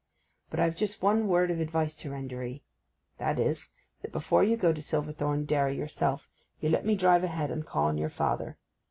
But I've just one word of advice to render 'ee. That is, that before you go to Silverthorn Dairy yourself you let me drive ahead and call on your father.